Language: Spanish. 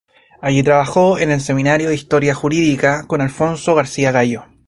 Allí trabajó en el Seminario de Historia jurídica con Alfonso García-Gallo.